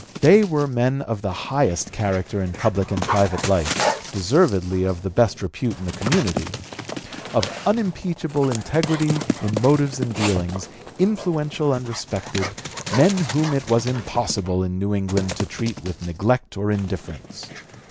They were men of the highest character in public and private life, deservedly of the best repute in the community, of unimpeachable integrity in motives and dealings, influential and respected, men whom it was impossible in New England to treat with neglect or indifference.